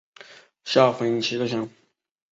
下分七个乡。